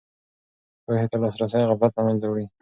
پوهې ته لاسرسی غفلت له منځه وړي.